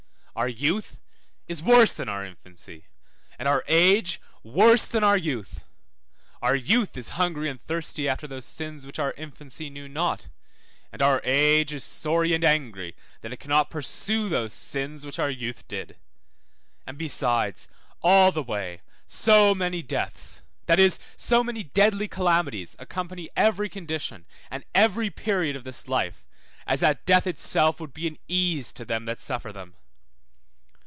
Our youth is worse than our infancy, and our age worse than our youth. Our youth is hungry and thirsty after those sins which our infancy knew not; and our age is sorry and angry, that it cannot pursue those sins which our youth did; and besides, all the way, so many deaths, that is, so many deadly calamities accompany every condition and every period of this life, as that death itself would be an ease to them that suffer them.